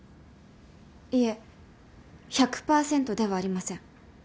いえ１００％ではありません。